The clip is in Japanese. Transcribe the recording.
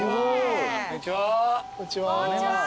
こんにちは。